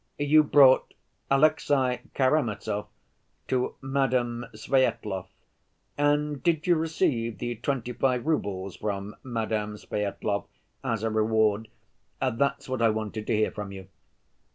You brought Alexey Karamazov to Madame Svyetlov, and did you receive the twenty‐five roubles from Madame Svyetlov as a reward, that's what I wanted to hear from you?"